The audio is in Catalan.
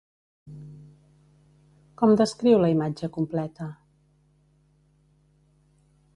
Com descriu la imatge completa?